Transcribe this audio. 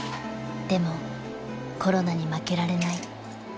［でもコロナに負けられない］